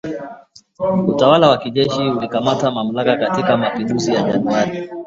Utawala wa kijeshi ulikamata mamlaka katika mapinduzi ya Januari